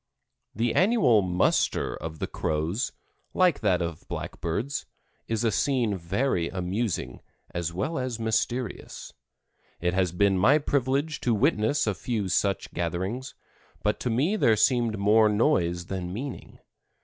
The annual "muster" of the Crows, like that of blackbirds, is a scene very amusing, as well as mysterious. It has been my privilege to witness a few such gatherings, but to me there seemed more noise than meaning.